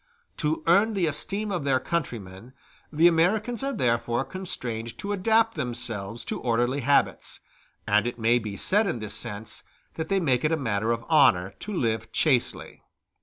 To earn the esteem of their countrymen, the Americans are therefore constrained to adapt themselves to orderly habits and it may be said in this sense that they make it a matter of honor to live chastely.